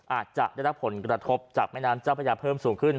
อาจจะได้รับผลกระทบจากแม่น้ำเจ้าพระยาเพิ่มสูงขึ้น